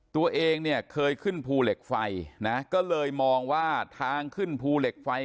ตัวเองเนี่ยเคยขึ้นภูเหล็กไฟนะก็เลยมองว่าทางขึ้นภูเหล็กไฟ